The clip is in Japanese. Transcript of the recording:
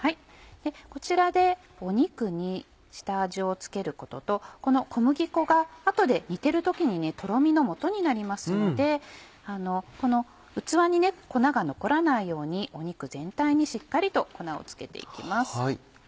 こちらで肉に下味を付けることとこの小麦粉が後で煮てる時にとろみのもとになりますのでこの器に粉が残らないように肉全体にしっかりと粉を付けて行きます。